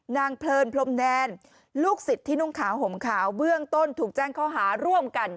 เพลินพรมแนนลูกศิษย์ที่นุ่งขาวห่มขาวเบื้องต้นถูกแจ้งข้อหาร่วมกัน